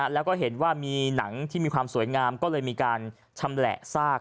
แล้วก็เห็นว่ามีหนังที่มีความสวยงามก็เลยมีการชำแหละซาก